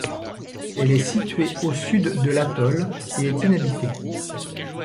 Elle est située au sud de l'atoll et est inhabitée.